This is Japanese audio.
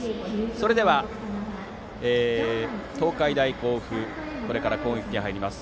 それでは東海大甲府これから攻撃に入ります。